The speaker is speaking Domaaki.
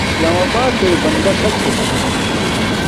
اسلام آباتݵ بندہ شا چھے